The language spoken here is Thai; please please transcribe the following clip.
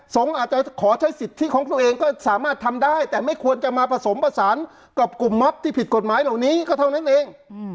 อาจจะขอใช้สิทธิของตัวเองก็สามารถทำได้แต่ไม่ควรจะมาผสมผสานกับกลุ่มมอบที่ผิดกฎหมายเหล่านี้ก็เท่านั้นเอง